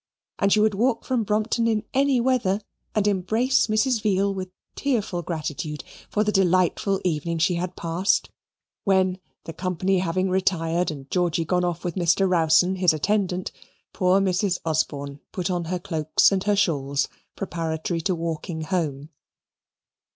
And she would walk from Brompton in any weather, and embrace Mrs. Veal with tearful gratitude for the delightful evening she had passed, when, the company having retired and Georgy gone off with Mr. Rowson, his attendant, poor Mrs. Osborne put on her cloaks and her shawls preparatory to walking home.